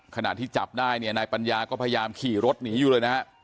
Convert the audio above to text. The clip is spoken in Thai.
ขณะที่จับได้เนี่ยนายปัญญาก็พยายามขี่รถหนีอยู่เลยนะฮะ